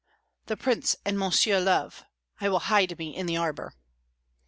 the Prince and Monsieur Love. I will hide me in the arbour."